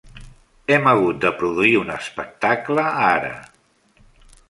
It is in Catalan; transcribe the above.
Hem hagut de produir un espectacle ara.